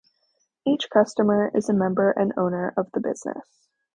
Each customer is a member and owner of the business.